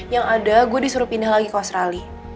yang ada gue disuruh pindah lagi ke australia